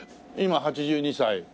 今８２歳。